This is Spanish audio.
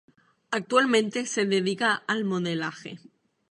Actualmente se dedica al modelaje